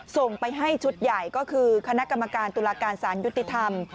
ส่งไปให้ชุดใหญ่ก็คือคณะกรรมการตุลาการสารยุติธรรม